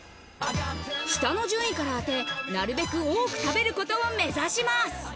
下の順位から当て、なるべく多く食べることを目指します。